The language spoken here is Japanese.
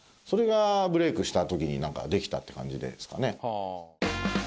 それがブレイクした時になんかできたって感じですかね。